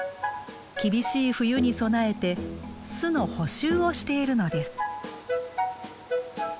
厳しい冬に備えて巣の補修をしているのです。